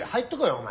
お前。